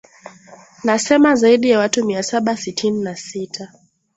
nasema zaidi ya watu mia saba sitini na sita